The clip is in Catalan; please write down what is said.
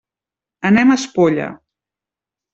Anem a Espolla.